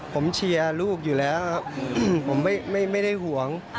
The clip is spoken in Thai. ผมเชียร์ลูกอยู่แล้วครับผมไม่ได้ห่วง